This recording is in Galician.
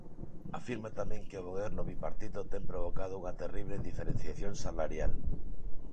Afirma tamén que o Goberno bipartito ten provocado unha terrible diferenciación salarial.